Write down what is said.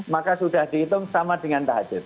maka sudah dihitung sama dengan tahajud